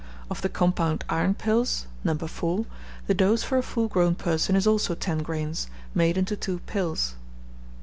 Of the compound iron pills (No. 4), the dose for a full grown person is also 10 grains, made into two pills.